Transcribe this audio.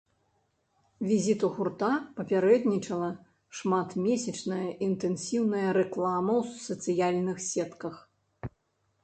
Візіту гурта папярэднічала шматмесячная інтэнсіўная рэклама ў сацыяльных сетках.